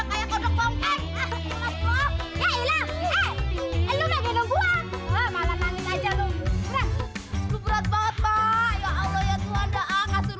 berat berat bapak ya allah ya tuhan da'at